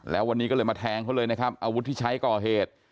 แล้ววันนี้ก็เลยมาแทงเขาเลยนะครับอาวุธที่ใช้ก่อเหตุ